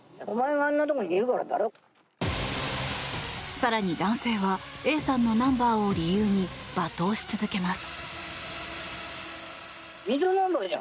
更に男性はＡさんのナンバーを理由に罵倒し続けます。